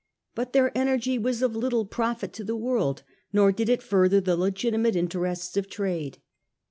But their energy was of little profit to the world, nor did it further the legitimate interests of trade.